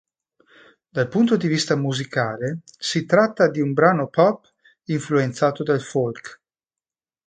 Dal punto di vista musicale, si tratta di un brano pop influenzato dal folk.